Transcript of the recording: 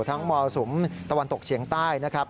มรสุมตะวันตกเฉียงใต้นะครับ